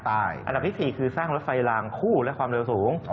อันดับที่๔คือสร้างรถไฟลางคู่และความเร็วสูง